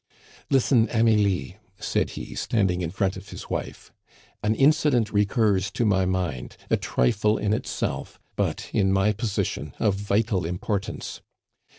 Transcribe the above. "Listen, Amelie," said he, standing in front of his wife. "An incident recurs to my mind, a trifle in itself, but, in my position, of vital importance.